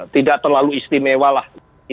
tidak terlalu istimewa lah